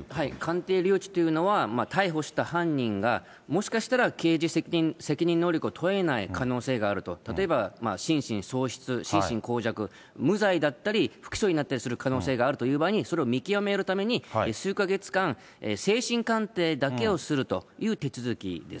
鑑定留置というのは、逮捕した犯人が、もしかしたら刑事責任能力を問えない可能性があると、例えば心神喪失、心神耗弱、無罪だったり、不起訴になったりする可能性がある場合に、それを見極めるために数か月間、精神鑑定だけをするという手続きです。